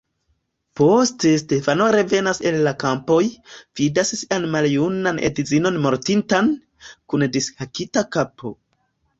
Poste Stefano revenas el la kampoj, vidas sian maljunan edzinon mortintan, kun dishakita kapo.